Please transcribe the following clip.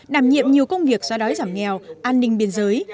đảm nhiệm nhiều công việc do đói giảm nghèo an ninh biên giới